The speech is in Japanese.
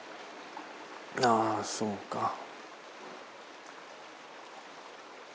ああそうか。